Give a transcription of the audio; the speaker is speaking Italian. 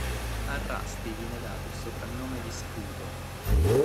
A Rusty viene dato il soprannome di "Sputo".